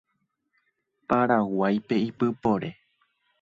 Paraguáipe ipypore.